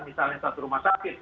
misalnya satu rumah sakit